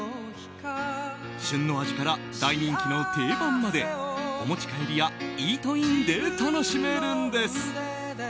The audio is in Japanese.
旬の味から大人気の定番までお持ち帰りやイートインで楽しめるんです。